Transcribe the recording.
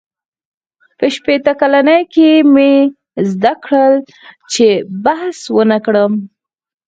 • په شپېته کلنۍ کې مې زده کړل، چې بحث ونهکړم.